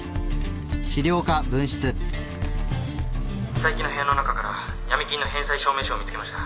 佐伯の部屋の中からヤミ金の返済証明書を見つけました。